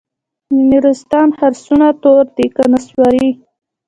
د نورستان خرسونه تور دي که نسواري؟